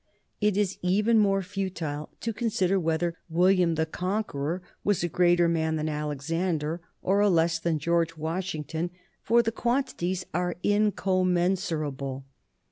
It is even more futile to consider whether William the Conqueror was a greater man than Alexander or a less than George Washington, for the quantities are incommensurable.